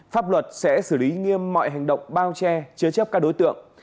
pháp luật sẽ xử lý nghiêm mọi hành động bao che chứa chấp các đối tượng